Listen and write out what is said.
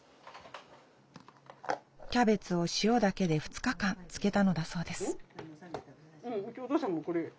キャベツを塩だけで２日間漬けたのだそうです